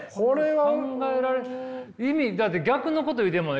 考えられ意味だって逆のこと言ってるもんね。